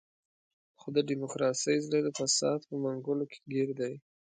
خو د ډیموکراسۍ زړه د فساد په منګولو کې ګیر دی.